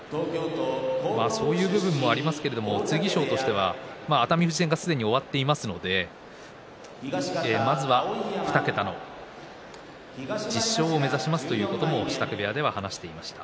そういう部分もありますけれども剣翔としたら熱海富士戦がすでに終わっていますのでまずは２桁の１０勝を目指しますということを支度部屋で話していました。